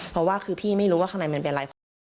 เพราะว่าคือพี่ไม่รู้ว่าข้างในมันเป็นอะไรเพราะว่า